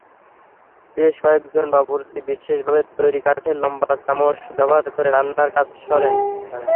বেশ কয়েকজন বাবুর্চি বিশেষভাবে তৈরি কাঠের লম্বা চামচ ব্যবহার করে রান্নার কাজ সারেন।